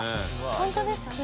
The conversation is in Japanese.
本当ですね。